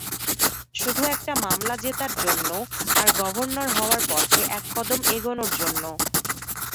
শুধু একটা মামলা জেতার জন্য, আর গভর্নর হওয়ার পথে এক কদম এগোনোর জন্য!